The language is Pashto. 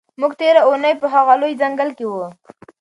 موږ تېره اونۍ په هغه لوی ځنګل کې وو.